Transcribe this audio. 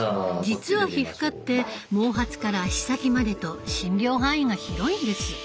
実は皮膚科って毛髪から足先までと診療範囲が広いんです。